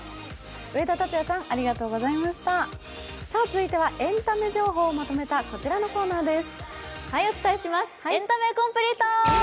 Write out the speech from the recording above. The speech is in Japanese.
続いてはエンタメ情報をまとめたこちらのコーナーです。